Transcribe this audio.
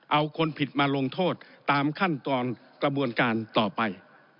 เอาคนผิดมาลงโทษตามขั้นตอนกระบวนการต่อไป